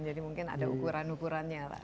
jadi mungkin ada ukuran ukurannya